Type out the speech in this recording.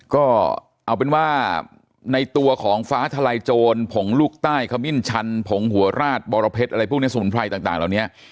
ก็เอาเป็นว่าในตัวของฟ้าทลายโจรผงลูกใต้ขมิ้นชันผงหัวราดบรเพชรอะไรพวกนี้สมุนไพรต่างเหล่านี้